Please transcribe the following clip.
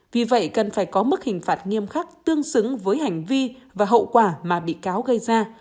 vì vậy cần phải có mức hình phạt nghiêm khắc tương xứng với hành vi và hậu quả mà bị cáo gây ra